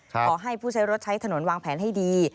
ขอให้ผู้ใช้รถใช้ถนนวางแผนให้ดี